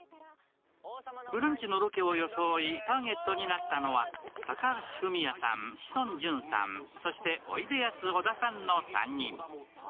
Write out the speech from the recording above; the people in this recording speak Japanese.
「ブランチ」のロケを装いターゲットになったのは、高橋文哉さん、志尊淳さん、そして、おいでやす小田さんの３人。